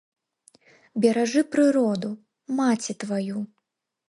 Беражы прыроду, маці тваю!